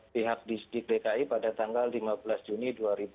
pihak distrik dki pada tanggal lima belas juni